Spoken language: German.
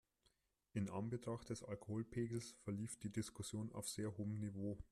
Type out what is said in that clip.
In Anbetracht des Alkoholpegels verlief die Diskussion auf sehr hohem Niveau.